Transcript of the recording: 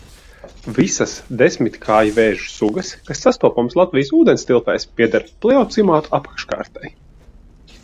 Visas desmitkājvēžu sugas, kas sastopamas Latvijas ūdenstilpēs, pieder pleocimātu apakškārtai.